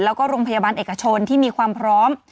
แล้วก็โรงพยาบาลเอกชนที่มีความพร้อม